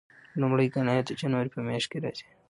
لومړۍ ګڼه یې د جنوري په میاشت کې راځي.